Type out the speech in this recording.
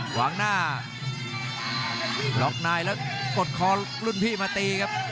หวังหน้าล็อกนายแล้วกดคอรุ่นพี่มาตีครับ